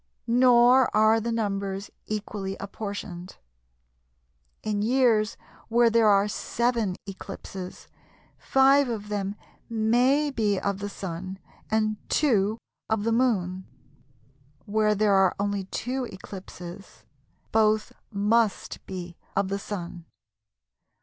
Nor are the numbers equally apportioned. In years where there are 7 eclipses, 5 of them may be of the Sun and 2 of the Moon; where there are only 2 eclipses, both must be of the Sun.